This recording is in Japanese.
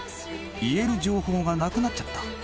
言える情報がなくなっちゃった